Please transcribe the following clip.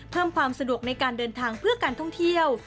เพิ่มความสะดวกในการเดินทางเพื่อการท่องเที่ยว